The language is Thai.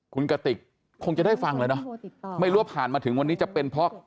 คุณกติกคงจะได้ฟังเลยเนอะไม่รู้ว่าผ่านมาถึงวันนี้จะเป็นเพราะ